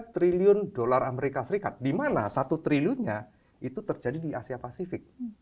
tiga triliun dolar as di mana satu triliunnya itu terjadi di asia pasifik